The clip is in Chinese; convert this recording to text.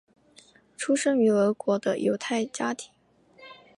出生于俄国的犹太家庭。